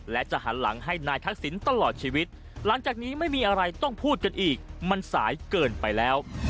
และจะหันหลังให้นายทักษิณตลอดชีวิตหลังจากนี้ไม่มีอะไรต้องพูดกันอีกมันสายเกินไปแล้ว